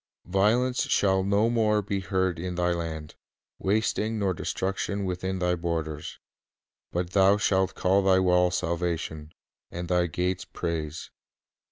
"Violence shall no more be heard in thy land, Wasting nor destruction within thy borders ; But thou shalt call thy walls Salvation, And thy gates Praise."